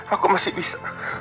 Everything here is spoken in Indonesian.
aku masih bisa